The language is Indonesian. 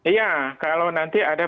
iya kalau nanti ada